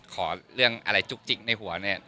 ขอเรื่องอะไรจุ๊กจิ๊กในหัวเนี่ย